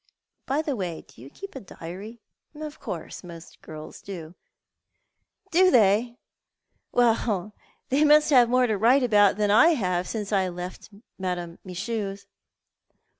By the way, you keep a diary, of course ? Most girls do." " Do they ? Then they must have more to write about than I have had since I left Madame Michun's.